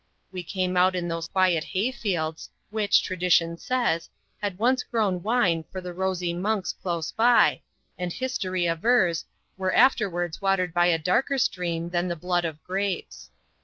We came out in those quiet hay fields, which, tradition says, had once grown wine for the rosy monks close by, and history avers, were afterwards watered by a darker stream than the blood of grapes.